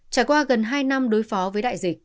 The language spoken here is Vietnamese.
trải qua gần hai năm đối phó với đại dịch